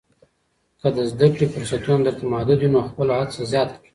که د زده کړې فرصتونه درته محدود وي، نو خپله هڅه زیاته کړه.